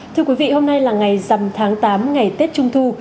thưa quý vị hôm nay là ngày dằm tháng tám ngày tết trung thu